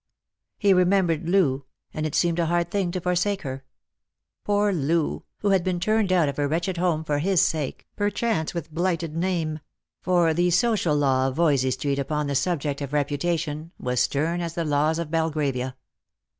He remembered Loo, and it seemed a hard thing to forsake her ; poor Loo, who had been turned out of her wretched home for his sake, perchance with blighted name; for the social law of Voysey street upon the subject of reputation was stern as the laws of Belgravia.